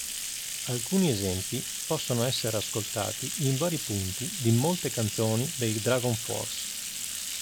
Alcuni esempi possono essere ascoltati in vari punti di molte canzoni dei DragonForce.